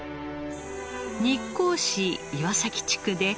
日光市岩崎地区で広さ